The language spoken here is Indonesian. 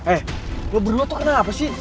eh gue berdua tuh kenapa sih